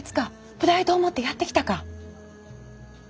プライドを持ってやってきたか。